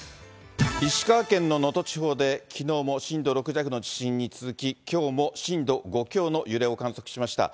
石川県の能登地方で、きのうも震度６弱の地震に続き、きょうも震度５強の揺れを観測しました。